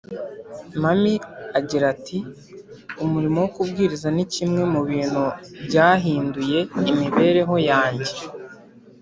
Mami agira ati umurimo wo kubwiriza ni kimwe mu bintu byahinduye imibereho yanjye